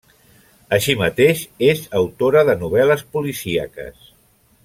Així mateix, és autora de novel·les policíaques.